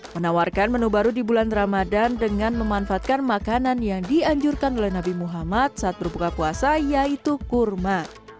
menawarkan menu baru di bulan ramadan dengan memanfaatkan makanan yang dianjurkan oleh nabi muhammad saat berbuka puasa yaitu kurma